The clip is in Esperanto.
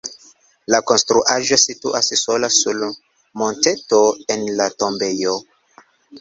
La konstruaĵo situas sola sur monteto en la tombejo.